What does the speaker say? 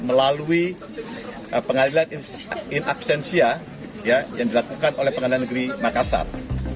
melalui pengadilan in absensia yang dilakukan oleh pengadilan negeri makassar